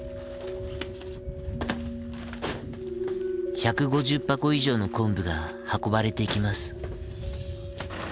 １５０箱以上のコンブが運ばれていきます。